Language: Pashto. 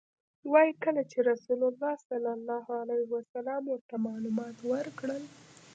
وایي کله چې رسول الله صلی الله علیه وسلم ورته معلومات ورکړل.